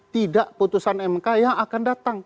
tidak putusan mk yang akan datang